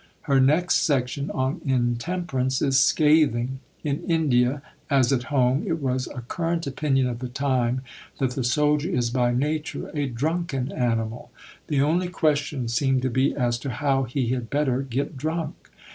Her next section, on "Intemperance," is scathing. In India, as at home, it was a current opinion of the time that the soldier is by nature a drunken animal; the only question seemed to be as to how he had better get drunk.